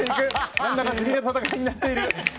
何だか地味な戦いになっている。